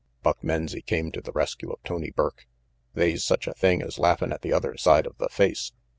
Buck Menzie came to the rescue of Tony Burke. "They's such a thing as laughin' at the other side of the face."